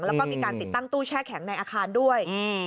แล้วก็มีการติดตั้งตู้แช่แข็งในอาคารด้วย